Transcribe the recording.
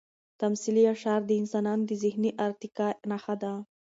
تمثیلي اشعار د انسانانو د ذهني ارتقا نښه ده.